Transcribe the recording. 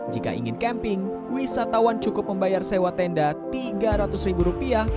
jika ingin camping wisatawan cukup membayar sewa tenda tiga ratus ribu rupiah